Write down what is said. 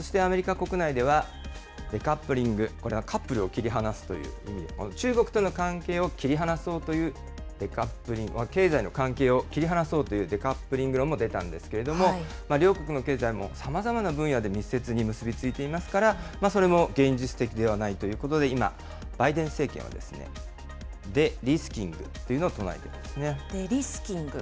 そしてアメリカ国内では、デカップリング、これはカップルを切り離すという意味、中国との関係を切り離そうというデカップリング、経済の関係を切り離そうというデカップリングも出たんですけれども、両国の経済もさまざまな分野で密接に結び付いていますから、それも現実的ではないということで、今、バイデン政権はデリスキデリスキング。